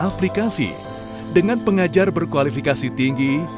dan aplikasi dengan pengajar berkualifikasi tinggi